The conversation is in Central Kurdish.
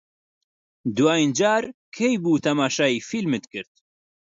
دوایین جار کەی بوو تەماشای فیلمت کرد؟